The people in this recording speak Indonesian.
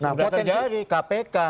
sudah terjadi kpk